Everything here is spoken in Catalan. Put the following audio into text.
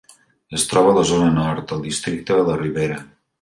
Es troba a la zona nord, al districte de la Ribera.